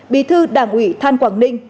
bí thư đảng ủy than quảng ninh